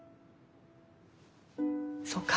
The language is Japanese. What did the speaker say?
そうか。